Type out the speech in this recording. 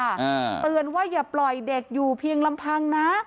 เตือนว่าอย่าปล่อยเด็กอยู่เพียงลำพังนะ